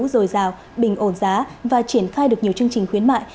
rồi rào bình ổn giá và triển khai được nhiều chương trình khuyến mại